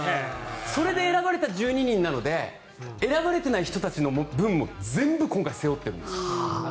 それで選ばれた１２人なので選ばれてない人たちの分も全部、今回、背負ってるんです。